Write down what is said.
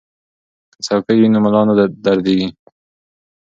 که څوکۍ وي نو ملا نه دردیږي.